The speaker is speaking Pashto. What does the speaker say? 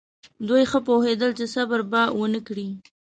دوی ښه پوهېدل چې صبر به ونه کړي.